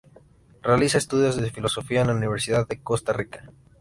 Realiza estudios de Filosofía en la Universidad de Costa Rica.